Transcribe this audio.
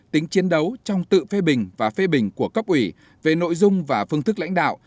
tính chiến đấu trong tự phê bình và phê bình của cấp ủy về nội dung và phương thức lãnh đạo